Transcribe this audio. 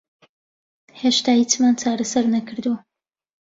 هێشتا هیچمان چارەسەر نەکردووە.